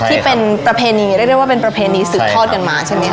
ที่เป็นประเพณีเรียกได้ว่าเป็นประเพณีสืบทอดกันมาใช่ไหมคะ